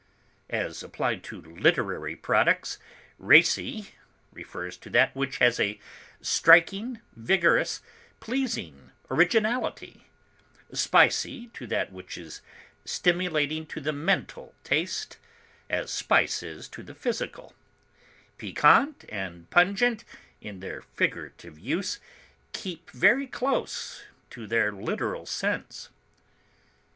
As applied to literary products, racy refers to that which has a striking, vigorous, pleasing originality; spicy to that which is stimulating to the mental taste, as spice is to the physical; piquant and pungent in their figurative use keep very close to their literal sense.